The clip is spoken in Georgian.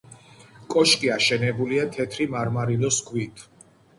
კოშკი აშენებულია თეთრი მარმარილოს ქვით.